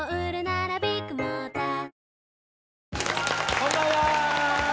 こんばんは！